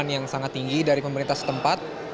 yang sangat tinggi dari pemerintah setempat